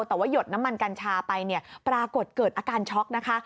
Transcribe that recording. แต่ว่าหยดน้ำมันกัญชาไปเนี่ยปรากฏเกิดอาการช็อกนะคะ